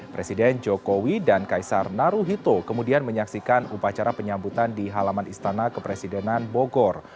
presiden jokowi dan kaisar naruhito kemudian menyaksikan upacara penyambutan di halaman istana kepresidenan bogor